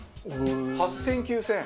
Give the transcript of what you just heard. ８０００９０００円？